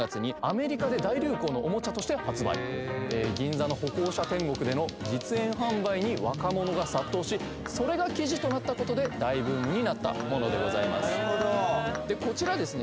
銀座の歩行者天国での実演販売に若者が殺到しそれが記事となったことで大ブームになったものでございますでこちらですね